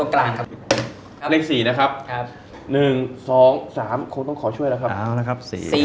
๔ครับ